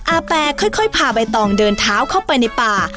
อาแปค่อยพาใบตองเดินเท้าเข้าไปในป่า